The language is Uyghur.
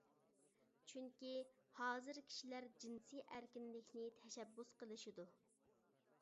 چۈنكى، ھازىر كىشىلەر جىنسى ئەركىنلىكنى تەشەببۇس قىلىشىدۇ.